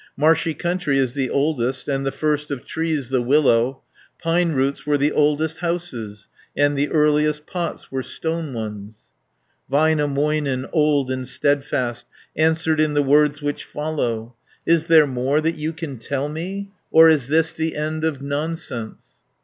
"Marshy country is the oldest, And the first of trees the willow. Pine roots were the oldest houses, And the earliest pots were stone ones." 210 Väinämöinen, old and steadfast, Answered in the words which follow: "Is there more that you can tell me, Or is this the end of nonsense?"